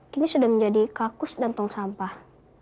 kini sudah menjadi kakus dan tong sampah